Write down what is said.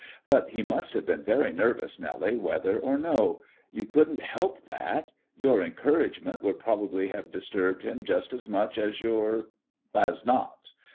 "But he must have been very nervous, Nellie, whether or no. You couldn't help that. Your encouragement would probably have disturbed him just as much as your as not.